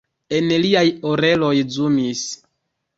En liaj oreloj zumis.